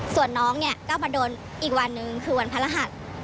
ส่วนน้องเนี่ยก็มาโดนอีกวันหนึ่งคือวันพระรหัส